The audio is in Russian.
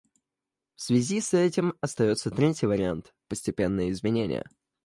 В связи с этим остается третий вариант — постепенные изменения.